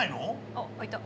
あっ開いた。